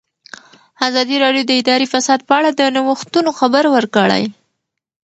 ازادي راډیو د اداري فساد په اړه د نوښتونو خبر ورکړی.